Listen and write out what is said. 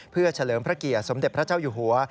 เพื่อเฉลิมพระเกียรติสมเด็จพระเจ้าอยู่หัว